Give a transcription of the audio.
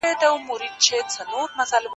که کار وي نو رس وي.